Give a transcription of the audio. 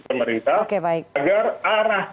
pemerintah agar arah